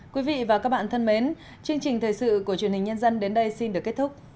quý vị và các bạn thân mến chương trình thời sự của truyền hình nhân dân đến đây xin được kết thúc